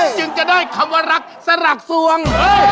จึงจะได้คำว่ารักสลักสวง